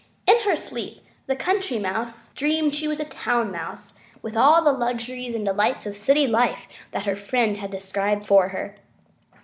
In her sleep the Country Mouse dreamed she was a Town Mouse with all the luxuries and delights of city life that her friend had described for her.